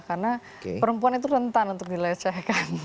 karena perempuan itu rentan untuk dilecehkan